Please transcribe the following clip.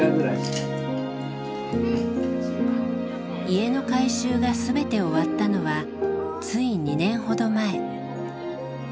家の改修が全て終わったのはつい２年ほど前。